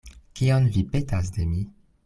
Kion vi petas de mi?